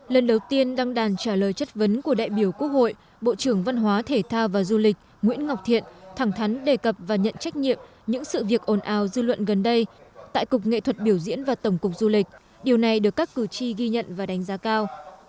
lần đầu tiên đăng đàn trả lời chất vấn của đại biểu quốc hội bộ trưởng văn hóa thể thao và du lịch nguyễn ngọc thiện thẳng thắn đề cập và nhận trách nhiệm những sự việc ồn ào dư luận gần đây tại cục nghệ thuật biểu diễn và tổng cục du lịch điều này được các cử tri ghi nhận và đánh giá cao